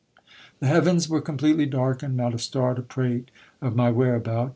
The heavens were com pletely darkened, not a star to prate of my whereabout.